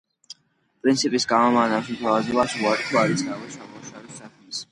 პრინციპის გამო მან ამ შეთავაზებაზე უარი თქვა, რის გამოც ჩამოაშორეს საქმეს.